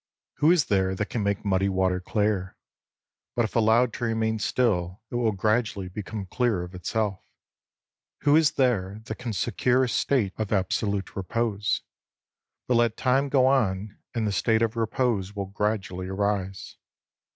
Who is there that can make muddy water clear ? But if allowed to remain still, it will gradually become clear of itself. Who is there that ca n secure a state of absolute repose ? But let time go on, and the state of repose will gradually arise.